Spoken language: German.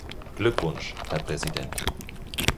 Glückwunsch, Herr Präsident.